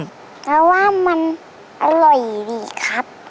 เพราะว่ามันอร่อยดีครับ